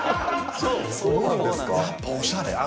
やっぱおしゃれ。